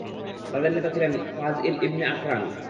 তাদের নেতা ছিলেন ফাজ-ঈল ইবন আকরান।